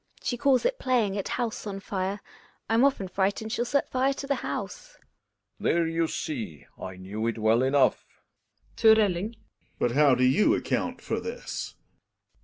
She calls it playing at house on fire. I'm often frightened she'll set fire to the house. Relling. There you see, I knew it well enough. Gregers (to Relling). But how do you account for this?